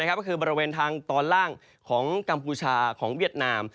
ก็คือบริเวณทางตอนล่างของกัมพูชาของเวียดนาม